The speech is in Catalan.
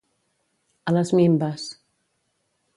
A les minves.